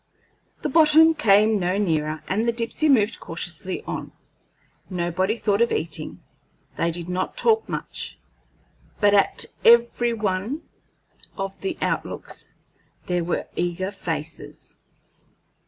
The bottom came no nearer, and the Dipsey moved cautiously on. Nobody thought of eating; they did not talk much, but at every one of the outlooks there were eager faces.